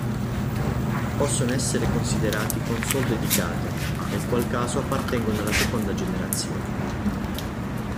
Possono essere considerati console dedicate, nel qual caso appartengono alla seconda generazione.